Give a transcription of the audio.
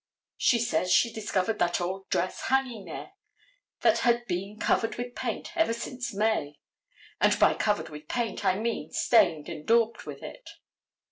She says she discovered that old dress hanging there that had been covered with paint ever since May, and by covered with paint I mean stained and daubed with it.